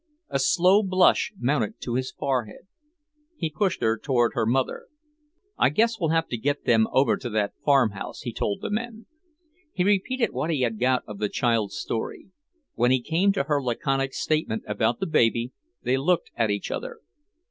A slow blush mounted to his forehead. He pushed her toward her mother, "Attendez là." "I guess we'll have to get them over to that farmhouse," he told the men. He repeated what he had got of the child's story. When he came to her laconic statement about the baby, they looked at each other.